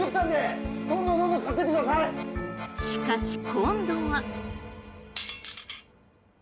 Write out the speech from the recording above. しかし今度は。